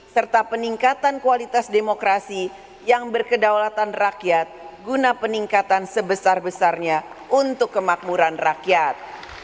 serta peningkatan kualitas demokrasi yang berkedaulatan rakyat guna peningkatan sebesar besarnya untuk kemakmuran rakyat